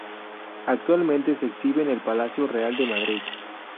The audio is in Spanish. Actualmente se exhibe en el Palacio Real de Madrid.